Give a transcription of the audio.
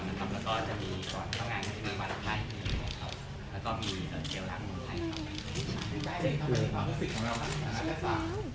แล้วก็จะมีก่อนต้องงานในเมืองบาลักษณ์ไทยแล้วก็มีเจียวรักษณ์ภูมิไทย